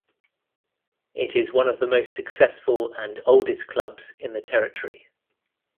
It is one of the most successful and oldest clubs in the territory.